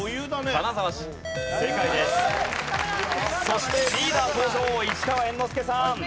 そしてリーダー登場市川猿之助さん。